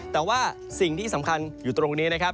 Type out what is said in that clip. แต่ว่าสิ่งที่สำคัญอยู่ตรงนี้นะครับ